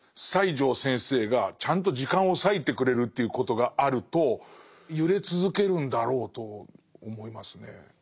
西條先生がちゃんと時間を割いてくれるということがあると揺れ続けるんだろうと思いますね。